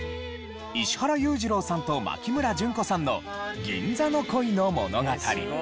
石原裕次郎さんと牧村旬子さんの『銀座の恋の物語』。